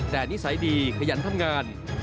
แต่นิสัยดีขยันทำงาน